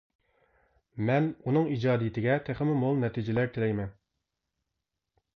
مەن ئۇنىڭ ئىجادىيىتىگە تېخىمۇ مول نەتىجىلەر تىلەيمەن.